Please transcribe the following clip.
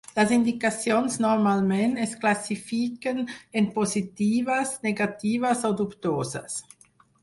Les indicacions normalment es classifiquen en positives, negatives o dubtoses.